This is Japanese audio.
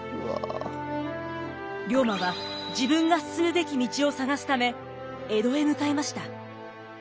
龍馬は自分が進むべき道を探すため江戸へ向かいました。